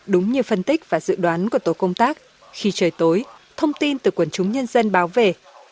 đúng như phân tích và dự đoán của tổ công tác khi trời tối thông tin từ quần chúng nhân dân báo về